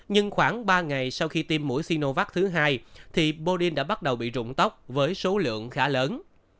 nhưng khoảng ba ngày sau khi tiêm mũi xinovac thứ hai thì bodin đã bắt đầu bị rụng tóc với số lượng khá lớn